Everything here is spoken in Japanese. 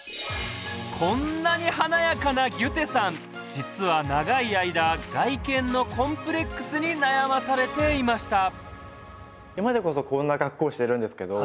こんなにはなやかなＧＹＵＴＡＥさん実は長い間外見のコンプレックスに悩まされていました